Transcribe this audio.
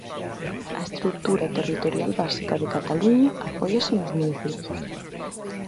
A estrutura territorial básica de Cataluña apóiase nos municipios.